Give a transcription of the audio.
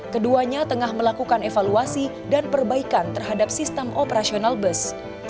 keduanya tengah melakukan evaluasi dan perbaikan terhadap sistem operasional bus